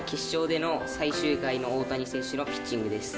決勝での最終回の大谷選手のピッチングです。